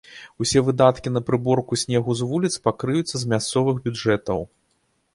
Усе выдаткі на прыборку снегу з вуліц пакрыюцца з мясцовых бюджэтаў.